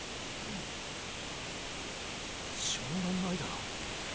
しょうがないだろ。